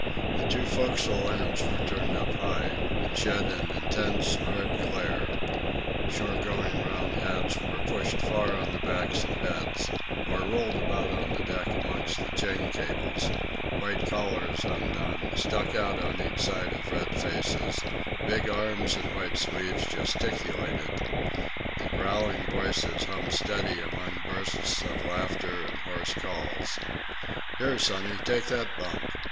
The two forecastle lamps were turned up high, and shed an intense hard glare; shore going round hats were pushed far on the backs of heads, or rolled about on the deck amongst the chain cables; white collars, undone, stuck out on each side of red faces; big arms in white sleeves gesticulated; the growling voices hummed steady amongst bursts of laughter and hoarse calls. "Here, sonny, take that bunk!...